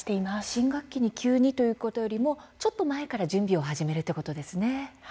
新学期に急にというよりもちょっと前から準備をということですね。